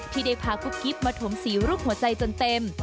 ที่ได้พากุ๊บกิ๊บมาถมสีรูปหัวใจจนเต็ม